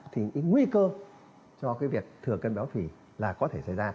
thì cái nguy cơ cho cái việc thừa cân béo phì là có thể xảy ra